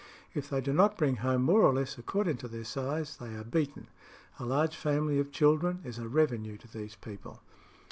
If they do not bring home more or less according to their size, they are beaten. A large family of children is a revenue to these people."